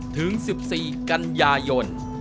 ถึง๑๔กันยายน